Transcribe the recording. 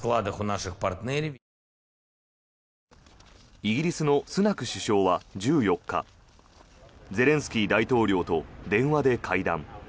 イギリスのスナク首相は１４日ゼレンスキー大統領と電話で会談。